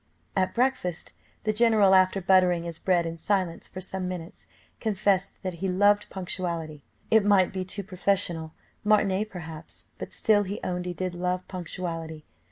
At breakfast, the general, after buttering his bread in silence for some minutes, confessed that he loved punctuality. It might be a military prejudice; it might be too professional, martinet perhaps, but still he owned he did love punctuality.